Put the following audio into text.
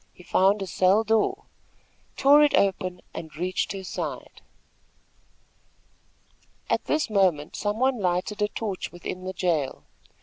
He found a cell door, tore it open and reached her side. At this moment some one lighted a torch within the jail.